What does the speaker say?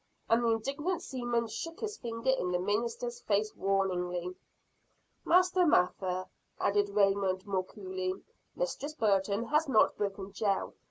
and the indignant seaman shook his finger in the minister's face warningly. "Master Mather," added Raymond, more coolly, "Mistress Burton has not broken jail.